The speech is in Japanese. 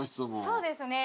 そうですね。